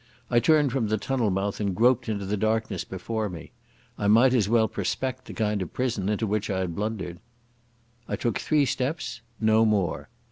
I turned from the tunnel mouth and groped into the darkness before me. I might as well prospect the kind of prison into which I had blundered. I took three steps—no more.